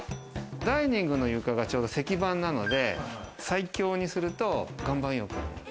ダイニングの床が石板なので最強にすると岩盤浴。